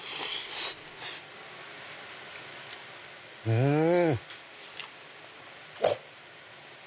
うん！あっ。